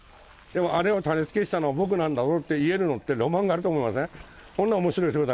あれを種付けしたのは僕なんだぞって言えるのってロマンがあると思いません？